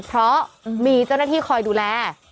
เพราะมีเจ้าหน้าที่คอยดูแล